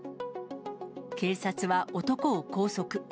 警察は男を拘束。